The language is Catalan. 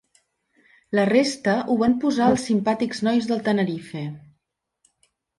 La resta ho van posar els simpàtics nois del Tenerife.